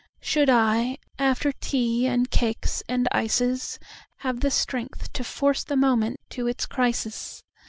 Should I, after tea and cakes and ices, Have the strength to force the moment to its crisis?